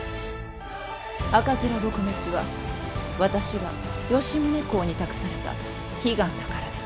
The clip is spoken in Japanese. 赤面撲滅は私が吉宗公に託された悲願だからです。